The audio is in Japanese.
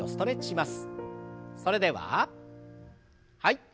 それでははい。